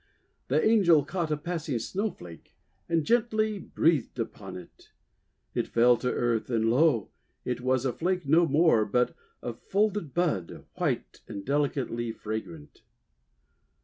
The Angel caught a passing Snowflake, and gently breathed upon it. It fell to earth, and, lo ! it was a flake no more, but a folded bud, white and delicately fragrant.